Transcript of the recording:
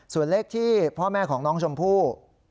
ส่วนเลขที่พ่อแม่ของน้องชมพู่